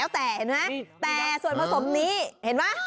แต่ส่วนผสมนี้เห็นไหม